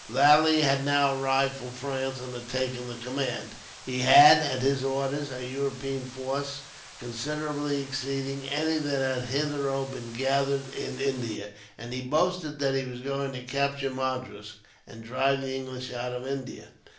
Lally had now arrived, from France, and had taken the command. He had, at his orders, a European force considerably exceeding any that had hitherto been gathered in India, and he boasted that he was going to capture Madras, and drive the English out of India.